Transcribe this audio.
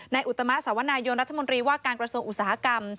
อุตมะสวนายนรัฐมนตรีว่าการกระทรวงอุตสาหกรรม